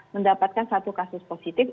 mendapatkan satu kasus positif